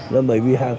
là bởi vì